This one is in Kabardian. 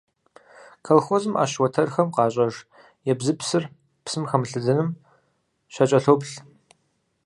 Колхозхэм Ӏэщ уэтэрхэм къащӀэж ебзыпсыр псым хэмылъэдэным щакӀэлъоплъ.